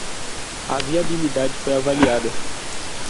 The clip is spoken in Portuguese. A viabilidade foi avaliada